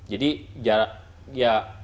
jadi jarak ya